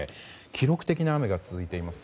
記録的な雨が続いています